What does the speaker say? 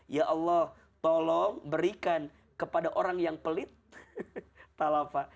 ya allah tolong berikan kepada orang yang pelit talafah